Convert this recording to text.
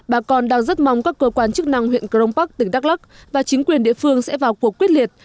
bà con đang rất mong các cơ quan chức năng huyện cà rông bắc tỉnh đắk lắk và chính quyền địa phương sẽ vào cuộc quyết liệt